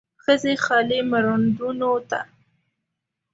ښځې خالي مړوندونو ته